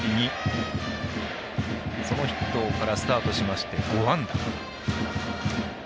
そのヒットからスタートしまして５安打。